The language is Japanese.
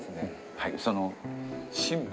はい。